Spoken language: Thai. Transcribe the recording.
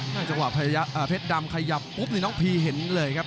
จังหวะเพชรดำขยับปุ๊บนี่น้องพีเห็นเลยครับ